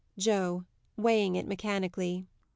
JOE. [_Weighing it mechanically.